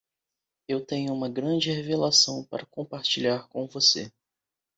Eu tenho uma grande revelação para compartilhar com você.